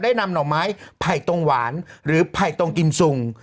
นำหน่อไม้ไผ่ตรงหวานหรือไผ่ตรงกินสุง